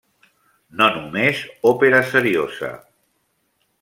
No només òpera seriosa.